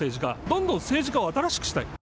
どんどん政治家を新しくしたい。